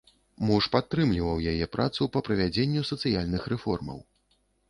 Муж падтрымліваў яе працу па правядзенню сацыяльных рэформаў.